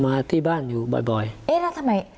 มาที่บ้านอยู่เบา